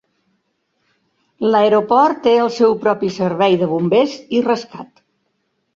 L'aeroport té el seu propi servei de bombers i rescat.